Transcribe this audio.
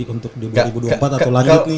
untuk dua ribu dua puluh empat atau lagi nih